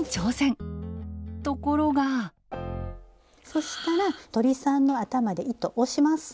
そしたら鳥さんの頭で糸押します！